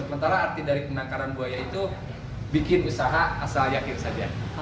sementara arti dari penangkaran buaya itu bikin usaha asal yakin saja